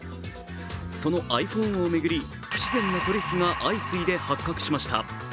そのｉＰｈｏｎｅを巡り、不自然な取り引きが相次いで発覚しました。